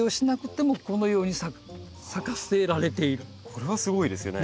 これはすごいですね。